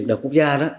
đại học quốc gia